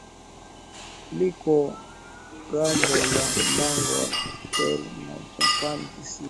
liko ngambo ya mlango wa Bering na Japani kisiwa